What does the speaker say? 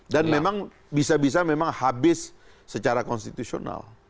dan memang bisa bisa memang habis secara konstitusional